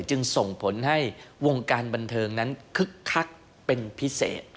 จึงส่งผลให้วงการบันเทิงนั้นคึกคักเป็นพิเศษ